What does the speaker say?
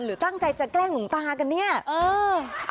หรือตั้งใจจะแกล้งหลวงตากันเนี่ยเออ